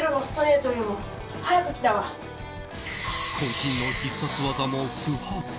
渾身の必殺技も不発。